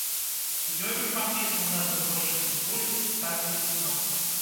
Ёю ж падпісаны назвы большасці вуліц і станцый метро.